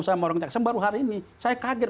saya sama orang kejaksaan agung baru hari ini saya kaget